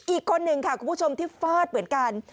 อีกคนหนึ่งค่ะคุณผู้ชมที่ฟาดเหมือนกัน